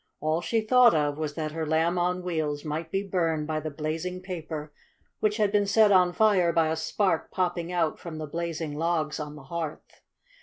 All she thought of was that her Lamb on Wheels might be burned by the blazing paper, which had been set on fire by a spark popping out from the blazing logs on the hearth.